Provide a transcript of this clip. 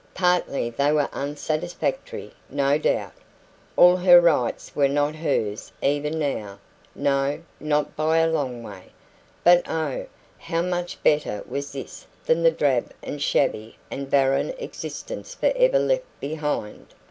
Partly they were unsatisfactory, no doubt. All her rights were not hers even now no, not by a long way. But oh, how much better was this than the drab and shabby and barren existence for ever left behind!